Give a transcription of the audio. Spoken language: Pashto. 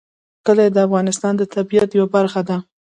کلي د افغانستان د طبیعت یوه برخه ده.